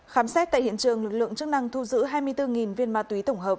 khám xét tại hiện trường lực lượng chức năng thu giữ hai mươi bốn viên ma túy tổng hợp